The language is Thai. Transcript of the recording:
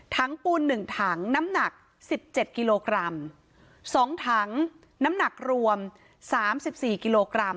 ปูนหนึ่งถังน้ำหนักสิบเจ็ดกิโลกรัมสองถังน้ำหนักรวมสามสิบสี่กิโลกรัม